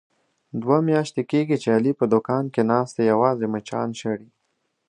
دوه میاشتې کېږي، چې علي په دوکان کې ناست دی یوازې مچان شړي.